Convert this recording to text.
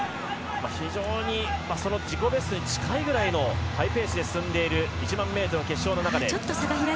非常に自己ベストに近いぐらいのハイペースで進んでいる１００００ｍ決勝の中で。